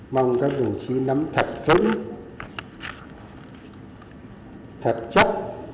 mong các đồng chí nắm thật vững thật chắc